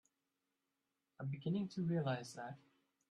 I'm beginning to realize that.